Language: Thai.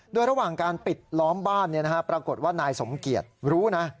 โดยระหว่างการปิดล้อมบ้านปรากฏว่านายสมเกียจรู้นะ